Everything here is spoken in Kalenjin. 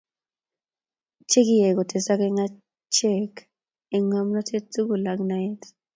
Che kiyai kotesak eng' achek eng' ng'omnatet tugul ak naet.